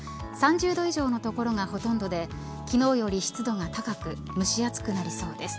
３０度以上の所がほとんどで昨日より湿度が高く蒸し暑くなりそうです。